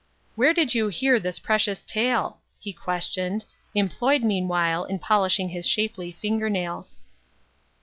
"Where did you hear this precious tale?" he questioned, employed, meanwhile, in polishing his shapely finger nails.